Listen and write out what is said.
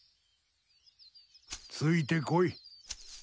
ついてこい。